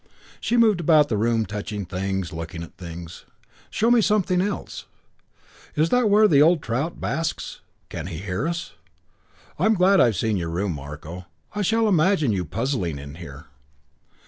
V She moved about the room, touching things, looking at things. "Show me something else. Is that where the old trout basks? Can he hear us? I'm glad I've seen your room, Marko. I shall imagine you puzzling in here."